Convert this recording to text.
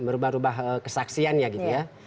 merubah rubah kesaksiannya gitu ya